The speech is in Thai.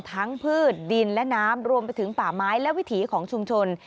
พืชดินและน้ำรวมไปถึงป่าไม้และวิถีของชุมชน